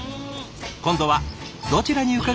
今度はどちらに伺おうかな？